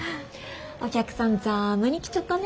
お客さんざぁまに来ちょったね。